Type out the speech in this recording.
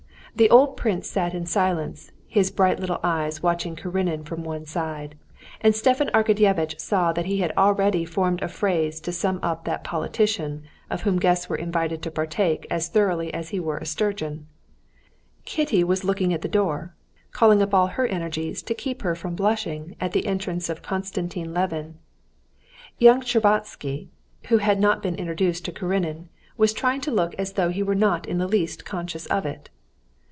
The old prince sat in silence, his bright little eyes watching Karenin from one side, and Stepan Arkadyevitch saw that he had already formed a phrase to sum up that politician of whom guests were invited to partake as though he were a sturgeon. Kitty was looking at the door, calling up all her energies to keep her from blushing at the entrance of Konstantin Levin. Young Shtcherbatsky, who had not been introduced to Karenin, was trying to look as though he were not in the least conscious of it.